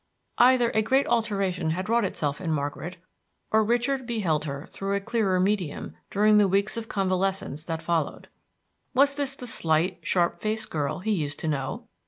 Either a great alteration had wrought itself in Margaret, or Richard beheld her through a clearer medium during the weeks of convalescence that followed. Was this the slight, sharp faced girl he used to know?